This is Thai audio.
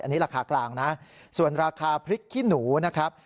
อันนี้ราคากลางนะส่วนราคาพริกขี้หนูนะครับ